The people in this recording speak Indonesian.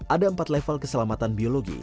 ada empat level keselamatan biologi